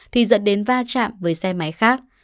thì dẫn đến va chạm với xe máy khác